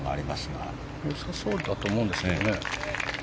良さそうだと思うんですけどね。